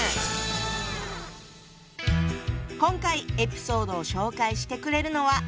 今回エピソードを紹介してくれるのは。